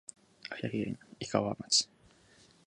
秋田県井川町